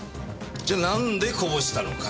じゃあなんでこぼしたのか。